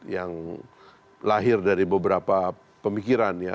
yang lahir dari beberapa pemikiran ya